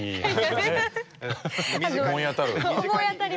思い当たる？